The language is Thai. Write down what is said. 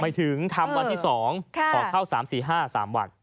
ไม่ถึงทำวันที่๒ขอเข้า๓๔๕๓วัน